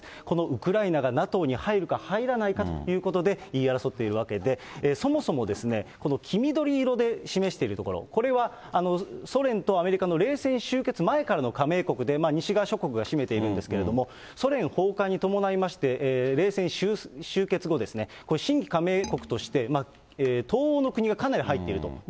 このウクライナがＮＡＴＯに入るか入らないかということで、言い争っているわけで、そもそも、この黄緑色で示している所、これはソ連とアメリカの冷戦終結前からの加盟国で、西側諸国が占めているんですけれども、ソ連崩壊に伴いまして、冷戦終結後ですね、これ、新規加盟国として、東欧の国がかなり入っていると。